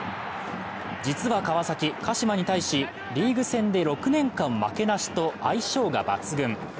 実は川崎、鹿島に対し、リーグ戦で６年間負けなしと相性が抜群。